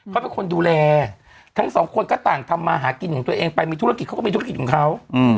เขาเป็นคนดูแลทั้งสองคนก็ต่างทำมาหากินของตัวเองไปมีธุรกิจเขาก็มีธุรกิจของเขา